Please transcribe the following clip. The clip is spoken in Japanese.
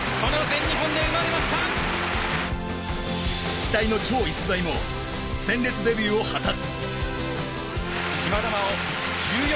期待の超逸材も鮮烈デビューを果たす。